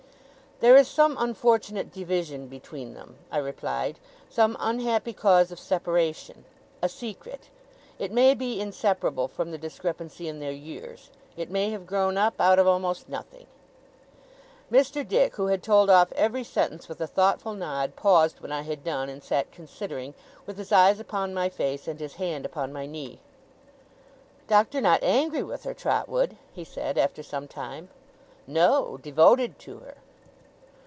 'There is some unfortunate division between them,' I replied. 'Some unhappy cause of separation. A secret. It may be inseparable from the discrepancy in their years. It may have grown up out of almost nothing.' Mr. Dick, who had told off every sentence with a thoughtful nod, paused when I had done, and sat considering, with his eyes upon my face, and his hand upon my knee. 'Doctor not angry with her, Trotwood?' he said, after some time. 'No. Devoted to her.